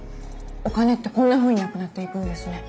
お金ってこんなふうになくなっていくんですね。